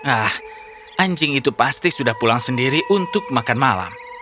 ah anjing itu pasti sudah pulang sendiri untuk makan malam